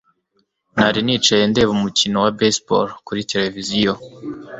Nari nicaye ndeba umukino wa baseball kuri Televiziyo.